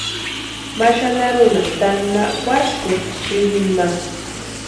Ma xanharunha taani ma kwaskuspti sïwinu ma.